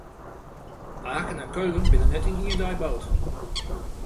Aken en Keulen binne net yn ien dei boud.